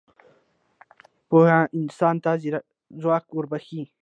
پوهه انسان ته ځواک وربخښي.